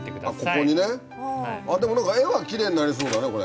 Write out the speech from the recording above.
ここにねでも何か画はきれいになりそうだねこれ。